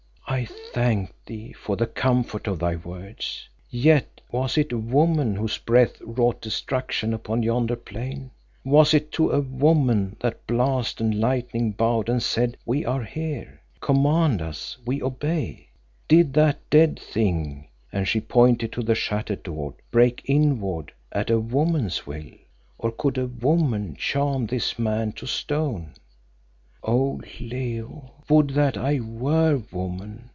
"I thank thee for the comfort of thy words. Yet, was it woman whose breath wrought destruction upon yonder plain? Was it to a woman that Blast and Lightning bowed and said, 'We are here: Command us, we obey'? Did that dead thing (and she pointed to the shattered door) break inward at a woman's will? Or could a woman charm this man to stone? "Oh! Leo, would that I were woman!